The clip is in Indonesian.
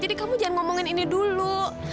kamu jangan ngomongin ini dulu